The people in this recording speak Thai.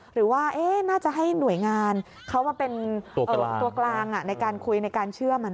หรือว่าน่าจะให้หน่วยงานเขามาเป็นตัวกลางในการคุยในการเชื่อมัน